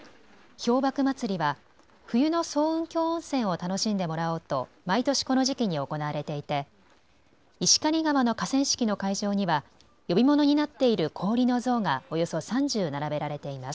氷瀑まつりは冬の層雲峡温泉を楽しんでもらおうと毎年この時期に行われていて石狩川の河川敷の会場には呼び物になっている氷の像がおよそ３０、並べられています。